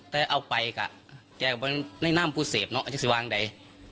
แต่เอาไปค่ะแกก็ไม่นำผู้เสพเนอะอาจารย์สิวางใด